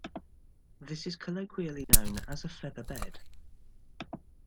This is colloquially known as a "featherbed".